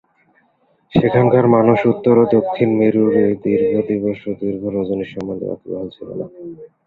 সেখানকার মানুষ উত্তর ও দক্ষিণ মেরুর এই দীর্ঘ দিবস ও দীর্ঘ রজনী সম্বন্ধে ওয়াকিবহাল ছিল না।